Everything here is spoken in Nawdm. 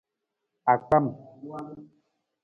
Akpam.